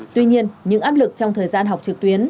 tuy nhiên những áp lực trong thời gian học trực tuyến